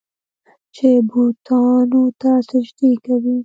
چې بوتانو ته سجدې کوي.